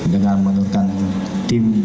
dengan menurutkan tim